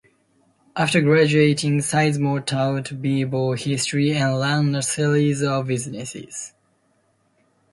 After graduating, Sizemore taught bible history and ran a series of businesses.